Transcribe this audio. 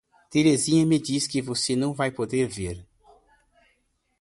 Terezinha me disse que você não vai poder vir.